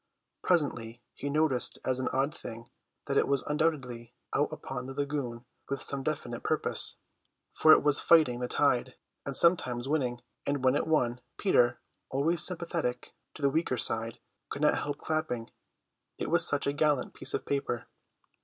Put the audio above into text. Presently he noticed as an odd thing that it was undoubtedly out upon the lagoon with some definite purpose, for it was fighting the tide, and sometimes winning; and when it won, Peter, always sympathetic to the weaker side, could not help clapping; it was such a gallant piece of paper.